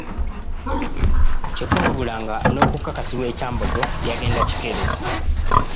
Kyokka wabula nga n'okukakasibwa e Kyambogo yagenda kikeerezi.